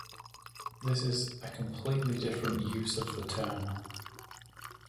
This is a completely different use of the term.